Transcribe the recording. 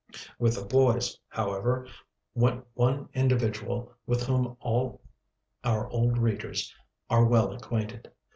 With the boys, however, went one individual with whom all our old readers are well acquainted.